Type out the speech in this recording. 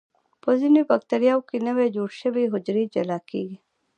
په ځینو بکټریاوو کې نوي جوړ شوي حجرې جلا کیږي.